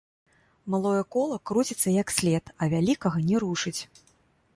Малое кола круціцца як след, а вялікага не рушыць.